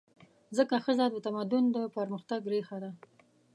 ځکه ښځه د تمدن د پرمختګ ریښه ده.